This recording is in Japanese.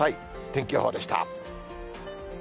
天気予報でした。